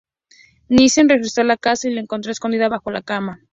Nissen registró la casa y la encontró escondida bajo la cama.